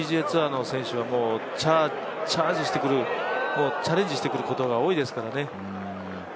ＰＧＡツアーの選手たちはチャージしてくる、チャレンジしてくることが多いですからね。